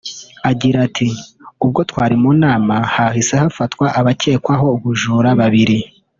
Agira ati “Ubwo twari mu nama hahise hafatwa abakekwaho ubujura babiri